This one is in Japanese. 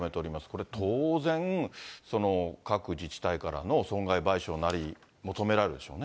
これ当然、各自治体からの損害賠償なり、求められるでしょうね。